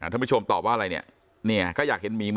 ถ้าผู้ชมตอบว่าอะไรเนี่ยเนี่ยก็อยากเห็นหมี